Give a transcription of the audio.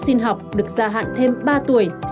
xin học được gia hạn thêm ba tuổi